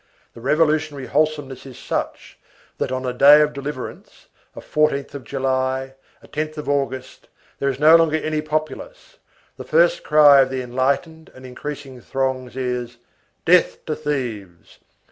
The revolutionary wholesomeness is such, that on a day of deliverance, a 14th of July, a 10th of August, there is no longer any populace. The first cry of the enlightened and increasing throngs is: death to thieves!